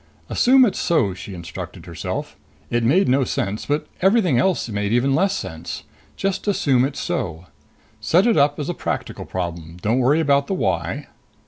Assume it's so, she instructed herself. It made no sense, but everything else made even less sense. Just assume it's so. Set it up as a practical problem. Don't worry about the why....